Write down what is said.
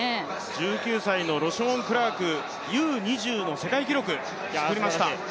１９歳のロショーン・クラークＵ２０の世界記録を作りました。